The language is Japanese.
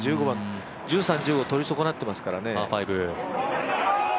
１５番、１３、１５取り損なってますからね。